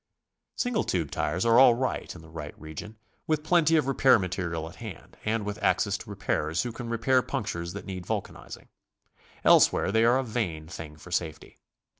.Single tube tires are all right in the right region, with plenty of repair material at hand, and with access to repairers who can repair punctures that need vulcanizing. Elsewhere they are a vain thing for safety.